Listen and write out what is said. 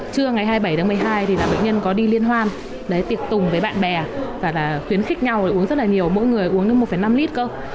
trưa ngày hai mươi bảy một mươi hai bệnh nhân có đi liên hoan tiệc tùng với bạn bè và khuyến khích nhau uống rất nhiều mỗi người uống một năm lít cơ